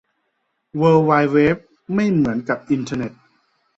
เวิล์ดไวด์เว็บไม่เหมือนกับอินเทอร์เน็ต